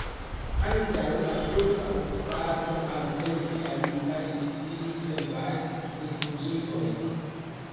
Antaŭ la turka okupado alvenis kaj instalis sin serbaj rifuĝintoj.